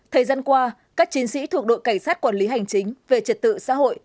thời gian qua các chiến sĩ thuộc đội cảnh sát quản lý hành chính về trật tự xã hội